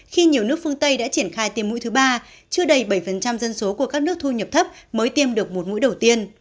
khi nhiều nước phương tây đã triển khai tiêm mũi thứ ba chưa đầy bảy dân số của các nước thu nhập thấp mới tiêm được một mũi đầu tiên